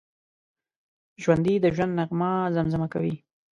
ژوندي د ژوند نغمه زمزمه کوي